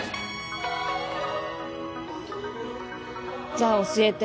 じゃあ教えて。